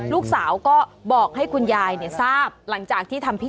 ลูกสาวก็บอกให้คุณยายเนี่ยทราบหลังจากที่ทำพิธี